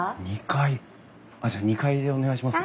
２階じゃあ２階でお願いします。